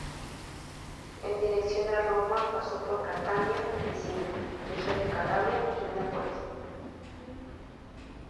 En dirección a Roma, pasó por Catania, Mesina, Regio de Calabria y Nápoles.